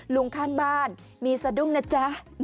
ลุงข้างบ้านมีสะดุ้งนะจ๊ะ